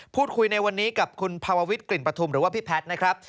พูดคุยในวันนี้กับคุณภาววิทย์กลิ่นปฐุมหรือว่าพี่แพทย์นะครับ